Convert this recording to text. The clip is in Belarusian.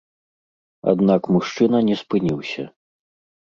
Аднак мужчына не спыніўся.